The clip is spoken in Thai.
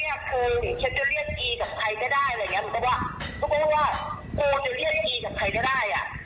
ทุกคนไปาวากูจะเรียกอีกความจริงกับใครจะได้อ่ะ